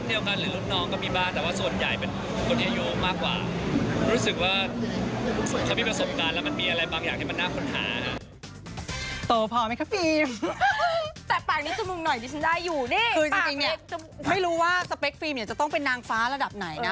คือจริงไม่รู้ว่าสเปคฟิล์มเนี่ยจะต้องเป็นนางฟ้าระดับไหนนะ